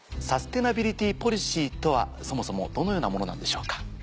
サステナビリティポリシーとはそもそもどのようなものなんでしょうか？